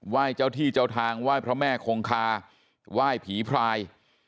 เจ้าที่เจ้าทางไหว้พระแม่คงคาไหว้ผีพราย